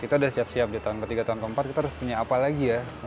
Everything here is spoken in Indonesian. kita sudah siap siap di tahun ketiga tahun keempat kita harus punya apa lagi ya